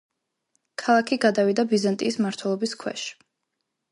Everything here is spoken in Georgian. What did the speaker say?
ქალაქი გადავიდა ბიზანტიის მმართველობის ქვეშ.